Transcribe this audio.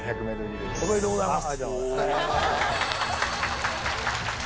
ありがとうございます。